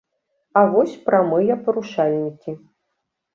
А вось прамыя парушальнікі.